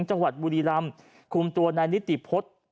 จังหวัดบุรีรำคุมตัวนายนิติพฤษ